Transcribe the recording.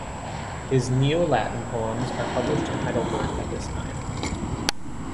His neo-Latin poems are published in Heidelberg at this time.